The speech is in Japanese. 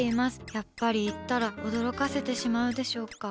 やっぱり言ったら驚かせてしまうでしょうか。